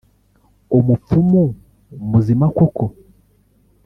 umupfumu muzima koko